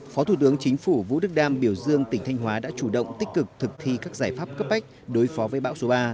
phó thủ tướng chính phủ vũ đức đam biểu dương tỉnh thanh hóa đã chủ động tích cực thực thi các giải pháp cấp bách đối phó với bão số ba